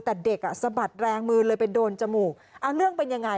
แต่เด็กอ่ะสะบัดแรงมือเลยไปโดนจมูกเอาเรื่องเป็นยังไง